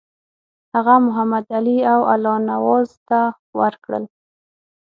هغه محمدعلي او الله نواز ته ورکړل.